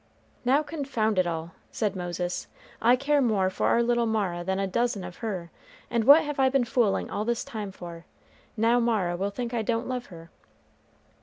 "Now, confound it all," said Moses, "I care more for our little Mara than a dozen of her; and what have I been fooling all this time for? now Mara will think I don't love her."